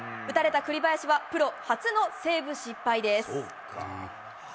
打たれた栗林はプロ初のセーブ失敗です。